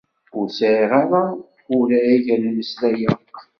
Ur sεiɣ ara urag ad mmeslayeɣ.